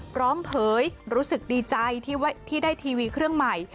เผยรู้สึกดีใจที่ได้ทีวีเครื่องใหม่